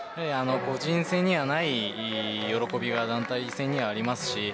個人戦にはない喜びが団体戦にあります。